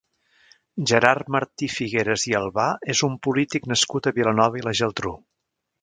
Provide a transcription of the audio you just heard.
Gerard Martí Figueras i Albà és un polític nascut a Vilanova i la Geltrú.